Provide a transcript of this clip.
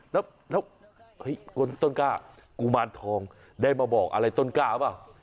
แล้วต้นกล้ากุมารทองได้มาบอกอะไรต้นกล้าเปล่า